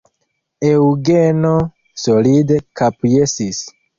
Eŭgeno solide kapjesis.